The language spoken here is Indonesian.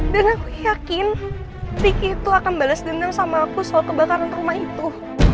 dan aku yakin riki itu akan balas dendam sama aku soal kebakaran rumah itu